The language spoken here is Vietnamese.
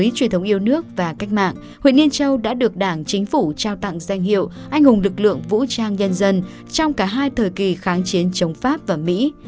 truyền thống yêu nước và cách mạng huyện yên châu đã được đảng chính phủ trao tặng danh hiệu anh hùng lực lượng vũ trang nhân dân trong cả hai thời kỳ kháng chiến chống pháp và mỹ